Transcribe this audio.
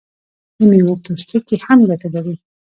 د میوو پوستکي هم ګټه لري.